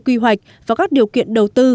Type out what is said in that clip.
quy hoạch và các điều kiện đầu tư